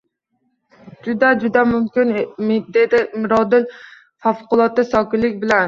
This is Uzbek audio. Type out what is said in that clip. Juda-juda mumkin, dedi Mirodil favqulodda sokinlik bilan